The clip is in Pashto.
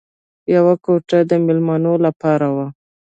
یوه کوټه د مېلمنو لپاره وه